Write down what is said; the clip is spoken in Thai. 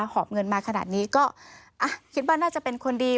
หอบเงินมาขนาดนี้ก็คิดว่าน่าจะเป็นคนดี